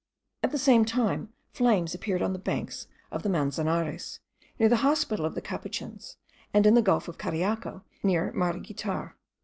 At the same time flames appeared on the banks of the Manzanares, near the hospital of the Capuchins, and in the gulf of Cariaco, near Mariguitar.